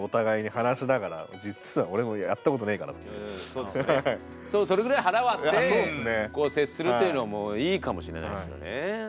そうですよねそれぐらい腹割って接するというのもいいかもしれないですよね。